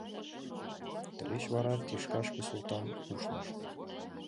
Тылеч вара тӱшкашке Султан ушныш.